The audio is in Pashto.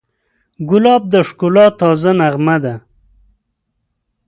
ګلاب د ښکلا تازه نغمه ده.